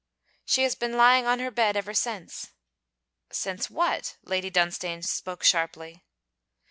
'She has been lying on her bed ever since.' 'Since what?' Lady Dunstane spoke sharply.